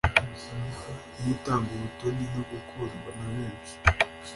Ni we utanga ubutoni no gukundwa na benshi